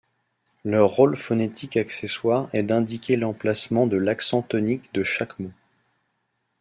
Leur rôle phonétique accessoire est d'indiquer l'emplacement de l'accent tonique de chaque mot.